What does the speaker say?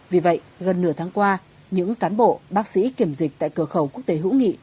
vì vậy gần nửa tháng qua những cán bộ bác sĩ kiểm dịch tại cửa khẩu quốc tế hữu nghị